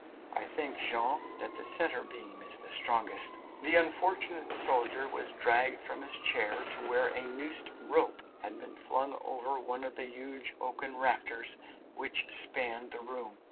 I think, Jean, that the centre beam is the strongest." The unfortunate soldier was dragged from his chair to where a noosed rope had been flung over one of the huge oaken rafters which spanned the room.